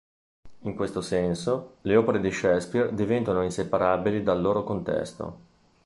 In questo senso, le opere di Shakespeare diventano inseparabili dal loro contesto.